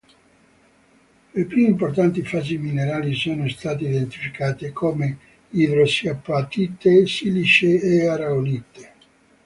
Le più importanti fasi minerali sono state identificate come idrossiapatite, silice e aragonite.